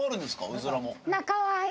うずらも。